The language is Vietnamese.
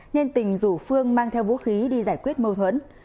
nên tình rủ phương mang theo vũ khí đi giải quyết mâu thuẫn